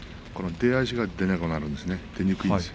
出足が出なくなるんですね。